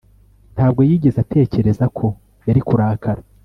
Ntabwo yigeze atekereza ko yari kurakara